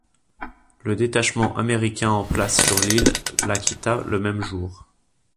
Le détachement américain en place sur l'île la quitta le même jour.